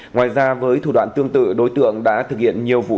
ngoài ra với thủ đoạn tương tự đối tượng đã thực hiện nhiều vụ